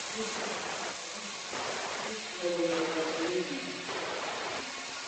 Nyi wathunga zuo hamawe chipwe vula manoka zuo liye mulimana.